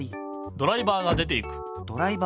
ドライバーが出ていく。